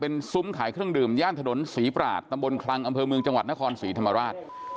เป็นซุ้มขายเครื่องดื่มย่านถนนศรีปราชตำบลคลังอำเภอเมืองจังหวัดนครศรีธรรมราช